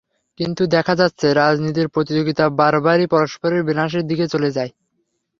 কিন্তু দেখা যাচ্ছে, রাজনীতির প্রতিযোগিতা বারবারই পরস্পরের বিনাশের দিকে চলে যায়।